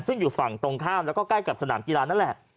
ซึ่งอยู่ฝั่งตรงข้ามแล้วก็ใกล้กับสนามกีฬานั่นแหละ